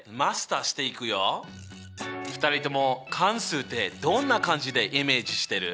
２人とも関数ってどんな感じでイメージしてる？